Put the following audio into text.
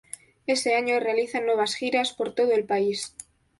Ese año realizan nuevas giras por todo el país.